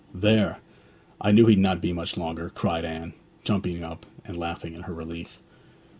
'There; I knew he'd not be much longer!' cried Anne, jumping up and laughing, in her relief.